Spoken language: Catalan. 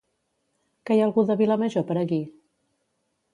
Que hi ha algú de Vilamajor per aquí ?